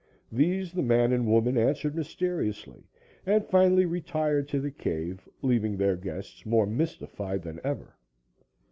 These the man and woman answered mysteriously, and finally retired to the cave, leaving their guests more mystified than ever.